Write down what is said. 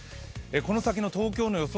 この先の東京の予想